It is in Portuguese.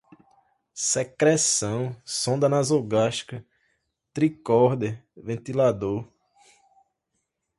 secreção, sonda nasogástrica, tricorder, ventilador